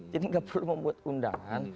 jadi tidak perlu membuat undangan